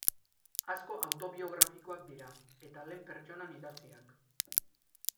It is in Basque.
Asko autobiografikoak dira, eta lehen pertsonan idatziak.